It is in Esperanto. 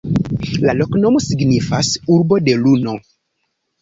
La loknomo signifas: Urbo de Luno.